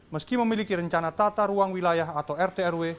meski memiliki rencana tata ruang wilayah atau rtrw